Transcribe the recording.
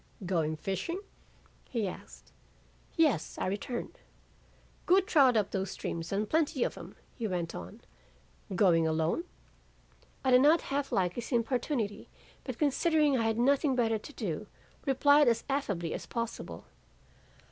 "'Going fishing?' he asked. "'Yes,' I returned. "'Good trout up those streams and plenty of them,' he went on. 'Going alone?' "I did not half like his importunity, but considering I had nothing better to do, replied as affably as possible.